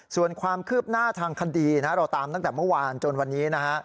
ส่วนความคืบหน้าทางคดีนะเราตามตั้งแต่เมื่อวานจนวันนี้นะฮะ